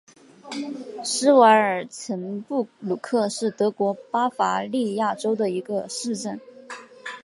施瓦尔岑布鲁克是德国巴伐利亚州的一个市镇。